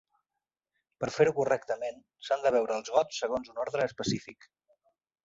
Per fer-ho correctament, s'han de veure els gots segons un ordre específic.